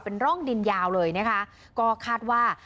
เป็นร่องดินยาวเลยนะคะก็คาดว่า